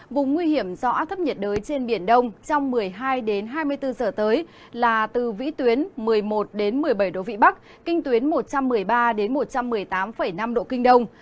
vùng nguy hiểm do áp thấp nhiệt đới trên biển đông trong một mươi hai hai mươi bốn giờ tới là từ vĩ tuyến một mươi một một mươi bảy độ vĩ bắc kinh tuyến một trăm một mươi ba một trăm một mươi tám năm độ kinh đông